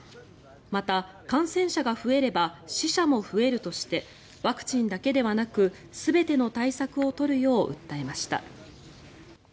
また、感染者が増えれば死者も増えるとしてワクチンだけではなく全ての対策を取るよう訴えました。